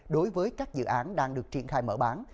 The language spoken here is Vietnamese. đối với các dự án đang được triển khai mở bán